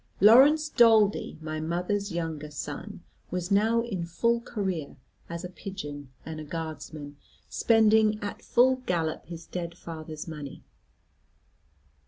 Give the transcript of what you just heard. Laurence Daldy, my mother's younger son, was now in full career, as a pigeon and a Guardsman, spending at full gallop his dead father's money.